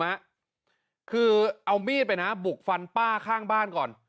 อ้าวคุณผู้ชมคือเอามีดไปปลุกฟันป้าข้างบ้านก่อน